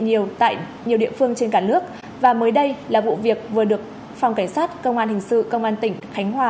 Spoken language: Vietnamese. nhiều tại nhiều địa phương trên cả nước và mới đây là vụ việc vừa được phòng cảnh sát công an hình sự công an tỉnh khánh hòa